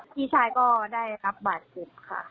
พี่ชายก็ได้รับบัตรกิจค่ะ